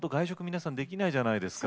皆さんできないじゃないですか。